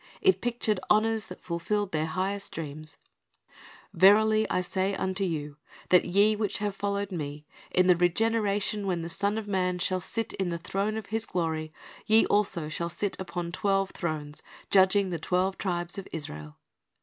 It pictured honors that fulfilled their highest dreams: "Verily I say unto you, That ye wiiich have followed Me, in the regeneration when the Son of man shall sit in the throne of His glory, ye also shall sit upon twelve thrones, judging the twelve tribes of Israel."